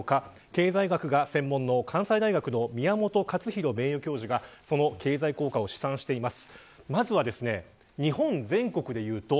経済学が専門の関西大学の宮本勝浩名誉教授がその経済効果を試算しています。